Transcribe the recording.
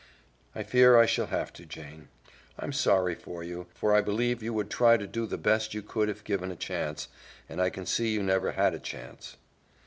"I fear I shall have to, Jane. I'm sorry for you, for I believe you would try to do the best you could if given a chance, and I can see you never had a chance."